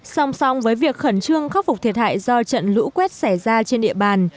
song song với việc khẩn trương khắc phục thiệt hại do trận lũ quét xảy ra trên địa bàn